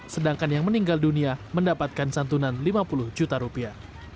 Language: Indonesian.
sedangkan yang meninggal dunia mendapatkan santunan lima puluh juta rupiah